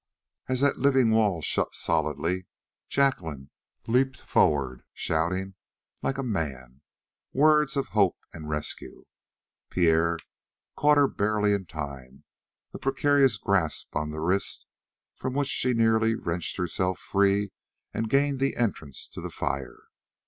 As that living wall shut solidly, Jacqueline leaped forward, shouting, like a man, words of hope and rescue; Pierre caught her barely in time a precarious grasp on the wrist from which she nearly wrenched herself free and gained the entrance to the fire.